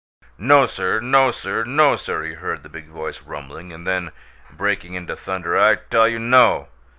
"No, sir; no, sir; no, sir!" he heard the big voice rumbling, and then, breaking into thunder, "I tell you NO!